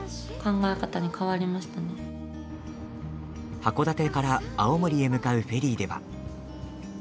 函館から青森へ向かうフェリーでは。